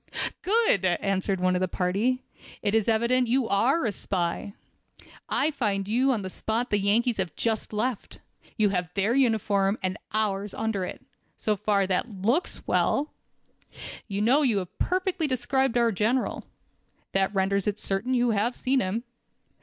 "Good!" answered one of the party, "it is evident you are a spy. I find you on the spot the Yankees have just left. You have their uniform on and ours under it. So far that looks well. You know and have perfectly described our General. That renders it certain you have seen him.